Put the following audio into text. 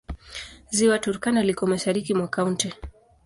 Ziwa Turkana liko mashariki mwa kaunti.